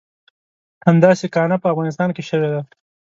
همداسې کانه په افغانستان کې شوې ده.